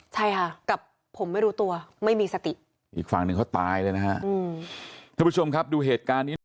ใช่ค่ะกับผมไม่รู้ตัวไม่มีสติอีกฝั่งหนึ่งเขาตายเลยนะฮะทุกผู้ชมครับดูเหตุการณ์นี้หน่อย